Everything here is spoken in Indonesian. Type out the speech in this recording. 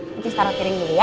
kita taruh kirim dulu ya